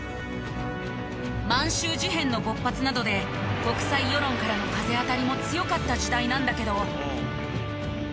満州事変の勃発などで国際世論からの風当たりも強かった時代なんだけど。